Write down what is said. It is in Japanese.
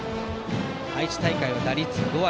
愛知大会は打率５割。